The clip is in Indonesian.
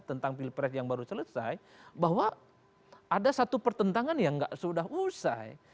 tentang pilpres yang baru selesai bahwa ada satu pertentangan yang sudah usai